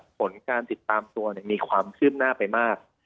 ผลการติดตามตัวมีความคืบหน้าไปมาก